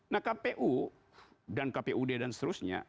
nah kpu dan kpud dan seterusnya